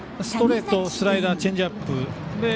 ストレート、スライダーチェンジアップ。